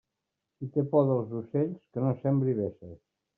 Qui té por dels ocells, que no sembre vesses.